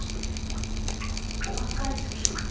お若いときから？